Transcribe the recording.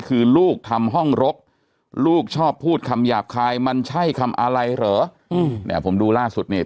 คือลูกทำห้องรกลูกชอบพูดคำหยาบคายมันใช่คำอะไรเหรออืมเนี่ยผมดูล่าสุดเนี่ย